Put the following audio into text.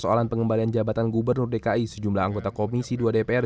soalan pengembalian jabatan gubernur dki sejumlah anggota komisi dua dpr